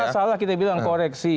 salah kita bilang koreksi